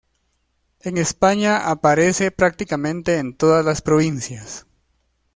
En España aparece prácticamente en todas las provincias.